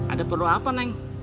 ada perlu apa neng